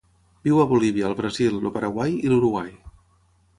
Viu a Bolívia, el Brasil, el Paraguai i l'Uruguai.